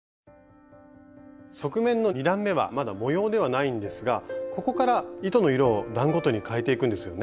側面の２段めはまだ模様ではないんですがここから糸の色を段ごとにかえていくんですよね？